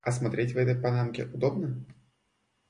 А смотреть в этой панамке удобно?